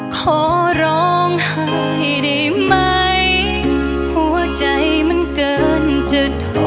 พอร้องไห้ได้ไหมหัวใจมันเกินเจ็ดห่วง